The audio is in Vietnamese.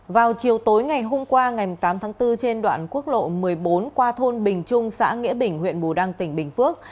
vào chiều tối ngày hôm qua ngày tám tháng bốn trên đoạn quốc lộ một mươi bốn qua thôn bình trung xã nghĩa bình huyện bù đăng tỉnh bình phước